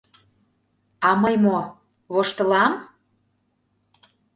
— А мый мо — воштылам?